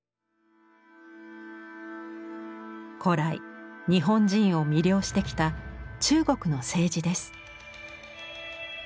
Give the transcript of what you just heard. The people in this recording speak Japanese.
古来日本人を魅了してきた中国の青磁です。